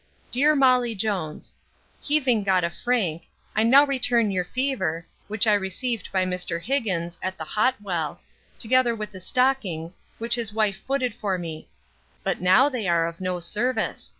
DEAR MOLLY JONES, Heaving got a frank, I now return your fever, which I received by Mr Higgins, at the Hot Well, together with the stockings, which his wife footed for me; but now they are of no survice.